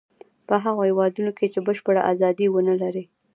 په هغو هېوادونو کې چې بشپړه ازادي و نه لري.